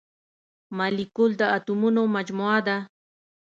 مالیکول د اتومونو مجموعه ده.